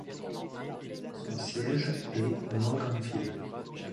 Son siège est Morganfield.